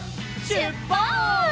しゅっぱつ！